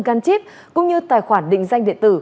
căn chíp cũng như tài khoản định danh địa tử